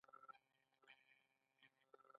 زما ملګری خوشحاله دهاو خاندي